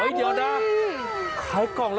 เดี๋ยวนะขายกล่องละ